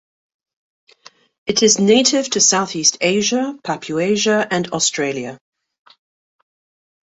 It is native to Southeast Asia, Papuasia, and Australia.